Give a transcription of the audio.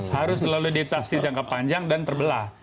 harus selalu ditafsir jangka panjang dan terbelah